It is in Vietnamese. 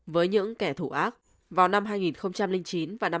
với những kẻ thủ ác vào năm hai nghìn chín và năm hai nghìn một mươi